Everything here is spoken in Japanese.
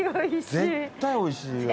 絶対おいしいわ。